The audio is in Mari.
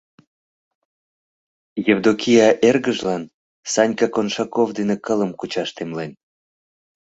Евдокия эргыжлан Санька Коншаков дене кылым кучаш темлен.